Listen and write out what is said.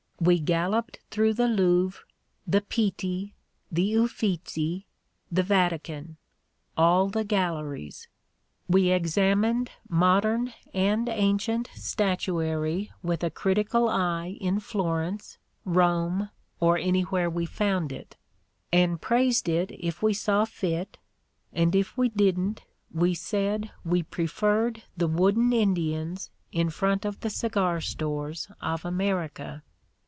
"We galloped through the Louvre, the Pitti, the Uffizi, the "Vatican — all the galleries. ... "We examined mod ern and ancient statuary with a critical eye in Florence, Eome, or anywhere we found it, and praised it if we saw fit, and if we didn't we said we preferred the wooden Indians in front of the cigar stores of America.